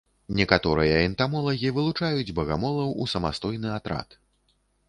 Некаторыя энтамолагі вылучаюць багамолаў у самастойны атрад.